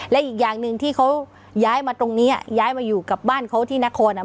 และอีกอย่างหนึ่งที่เขาย้ายมาตรงนี้ย้ายมาอยู่กับบ้านเขาที่นครอ่ะ